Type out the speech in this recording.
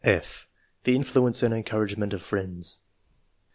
§ F. THE INFLUENCE AND ENCOURAGEMENT OF FRIENDS.